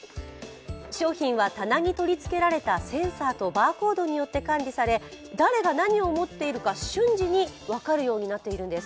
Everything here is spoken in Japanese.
商品は棚に取り付けてあるセンサーとバーコードによって管理され誰が何を持っているか瞬時に分かるようになっているんです。